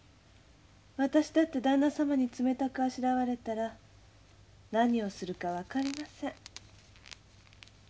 私だってだんな様に冷たくあしらわれたら何をするか分かりません。